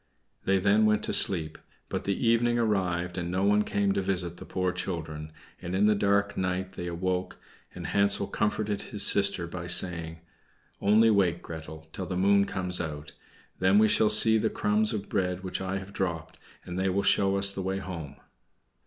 They then went to sleep; but the evening arrived and no one came to visit the poor children, and in the dark night they awoke, and Hansel comforted his sister by saying, "Only wait, Gretel, till the moon comes out, then we shall see the crumbs of bread which I have dropped, and they will show us the way home."